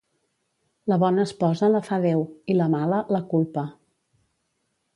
La bona esposa la fa Déu, i la mala, la culpa.